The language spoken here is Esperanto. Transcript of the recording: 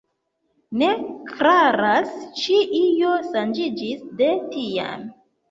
Ne klaras, ĉu io ŝanĝiĝis de tiam.